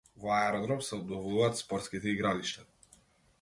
Во Аеродром се обновуваат спортските игралишта